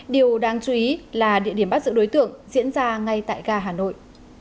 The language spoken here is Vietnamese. điều đáng chú ý là địa điểm bắt giữ đối tượng diễn ra ngay tại ga hà nội